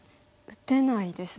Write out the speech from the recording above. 打てないですね。